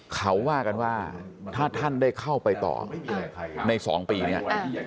เขาว่ากันว่าถ้าท่านได้เข้าไปต่อใน๒ปีเนี่ย